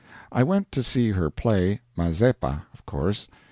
I went to see her play "Mazeppa," of course.